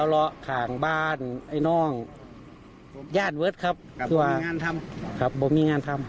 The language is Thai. วาดพ่อกั้นมาเจอกันพี่ก็เล่าเบาป่อน